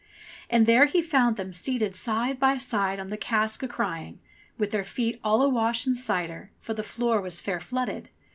And there he found them seated side by side on the cask a crying, with their feet all a wash in cider, for the floor was fair flooded.